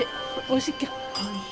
おいしい。